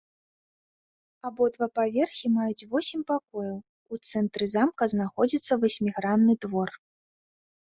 Абодва паверхі маюць восем пакояў, у цэнтры замка знаходзіцца васьмігранны двор.